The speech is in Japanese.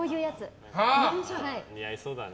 似合いそうだね。